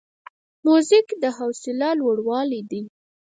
موزیک د حوصله لوړاوی دی.